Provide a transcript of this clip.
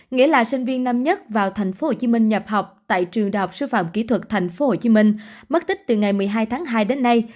nghĩa là sinh viên năm nhất vào tp hcm nhập học tại trường đại học sư phạm kỹ thuật tp hcm mất tích từ ngày một mươi hai tháng hai đến nay